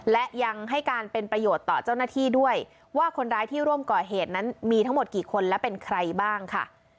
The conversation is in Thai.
และยังให้การเป็นประโยชน์ต่อเจ้าหน้าที่ด้วยว่าคนร้ายที่ร่วมก่อเหตุนั้นมีทั้งหมดกี่คนและเป็นใครบ้างค่ะ